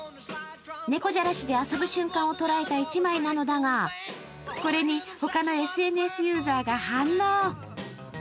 猫じゃらしで遊ぶ瞬間を捉えた一枚なのだがこれに他のＳＮＳユーザーが反応。